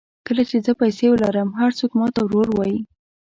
کله چې زه پیسې ولرم هر څوک ماته ورور وایي.